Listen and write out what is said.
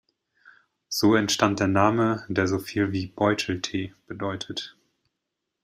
So entstand der Name, der so viel wie "Beutel-Tee" bedeutet.